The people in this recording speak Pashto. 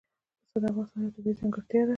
پسه د افغانستان یوه طبیعي ځانګړتیا ده.